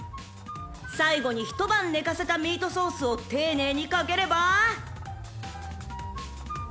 ［最後に一晩寝かせたミートソースを丁寧にかければ］